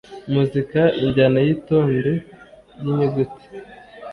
- muzika: injyana y’itonde ry’inyuguti